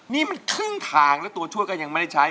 นี่มันครึ่งทางแล้วตัวช่วยก็ยังไม่ได้ใช้